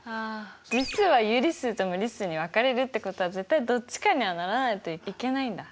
実数は有理数と無理数に分かれるってことは絶対どっちかにならないといけないんだ。